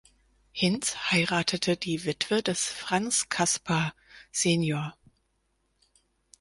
Hinsz heiratete die Witwe des Franz Caspar sr.